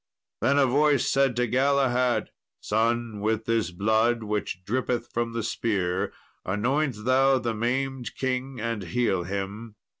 Then a voice said to Galahad, "Son, with this blood which drippeth from the spear anoint thou the maimed king and heal him.